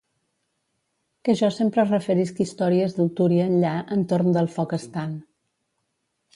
Que jo sempre referisc històries del Túria enllà entorn del foc estant.